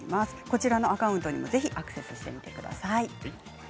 こちらのアカウントにもぜひアクセスしてみてください。